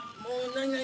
何？